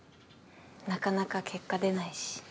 なかなか結果出ないし。